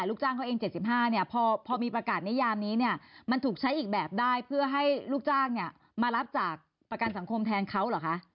ลูกจ้างเขาเอง๗๕เนี่ยพอมีประกาศนิยามนี้เนี่ยมันถูกใช้อีกแบบได้เพื่อให้ลูกจ้างเนี่ยมารับจากประกันสังคมแทนเขาเหรอคะ